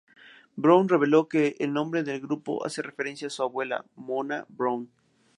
Brown reveló que el nombre del grupo hace referencia a su abuela, Mona Brown.